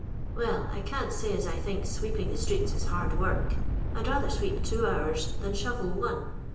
" Well, I can't say as I thinks sweeping the streets is hard work. I 'd rather sweep two hours than shovel one.